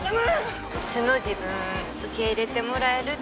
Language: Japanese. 素の自分受け入れてもらえるって自信ある？